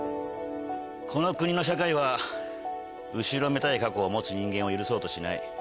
この国の社会は後ろめたい過去を持つ人間を許そうとしない。